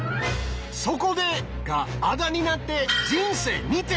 「そこで」があだになって人生２点。